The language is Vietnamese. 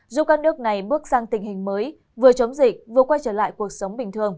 giúp các nước này bước sang tình hình mới vừa chống dịch vừa quay trở lại